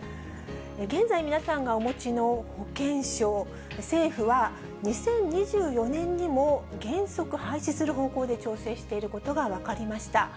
現在、皆さんがお持ちの保険証、政府は２０２４年にも原則廃止する方向で調整していることが分かりました。